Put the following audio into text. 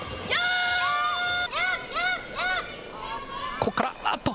これから、あーっと。